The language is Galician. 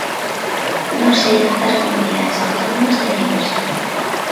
Non sei cantas comunidades autónomas teñen isto.